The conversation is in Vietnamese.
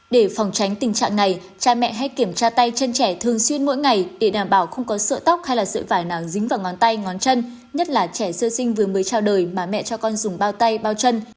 để phòng tránh tình trạng này cha mẹ hay kiểm tra tay chân trẻ thường xuyên mỗi ngày để đảm bảo không có sợi tóc hay là sợi vải nàng dính vào ngón tay ngón chân nhất là trẻ sơ sinh vừa mới chào đời mà mẹ cho con dùng bao tay bao chân